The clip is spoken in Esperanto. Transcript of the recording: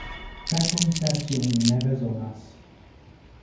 Pekon serĉi oni ne bezonas.